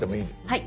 はい。